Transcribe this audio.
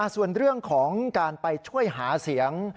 ส่วนเรื่องของการไปช่วยหาเสียง